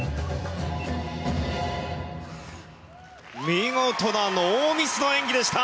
見事なノーミスの演技でした。